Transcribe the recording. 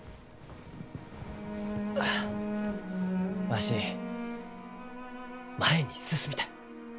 あわし前に進みたい。